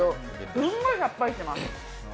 すんごいさっぱりしてます。